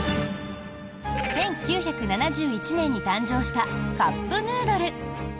１９７１年に誕生したカップヌードル。